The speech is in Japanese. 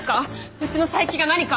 うちの佐伯が何か？